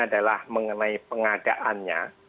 adalah mengenai pengadaannya